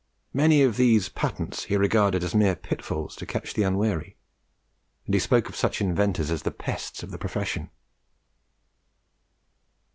Many of these "patents" he regarded as mere pit falls to catch the unwary; and he spoke of such "inventors" as the pests of the profession.